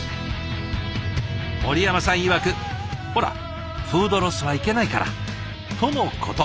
森山さんいわく「ほらフードロスはいけないから」とのこと。